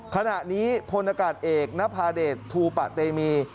ขณะนี้พลอากาศเอกนภาเดชทูปะเตมี